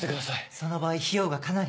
その場合費用がかなり。